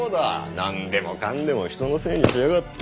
なんでもかんでも人のせいにしやがって。